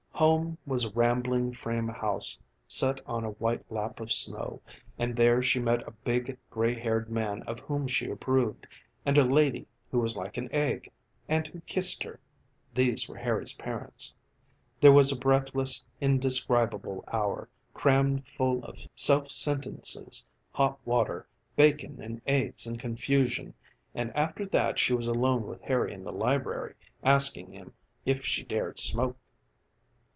Home was a rambling frame house set on a white lap of snow, and there she met a big, gray haired man of whom she approved, and a lady who was like an egg, and who kissed her these were Harry's parents. There was a breathless indescribable hour crammed full of self sentences, hot water, bacon and eggs and confusion; and after that she was alone with Harry in the library, asking him if she dared smoke.